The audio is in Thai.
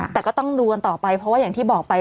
แต่ก็ต้องดูกันต่อไปเพราะว่าอย่างที่บอกไป